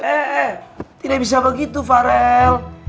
eh eh eh tidak bisa begitu farel